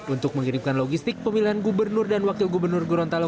untuk mengirimkan logistik pemilihan gubernur dan wakil gubernur gorontalo